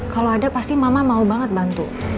kalau ada pasti mama mau banget bantu